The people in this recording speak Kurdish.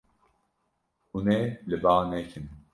Hûn ê li ba nekin.